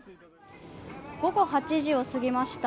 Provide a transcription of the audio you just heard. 午後８時を過ぎました。